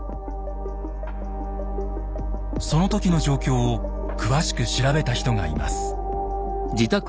その時の状況を詳しく調べた人がいます。